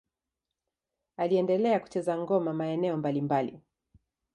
Aliendelea kucheza ngoma maeneo mbalimbali.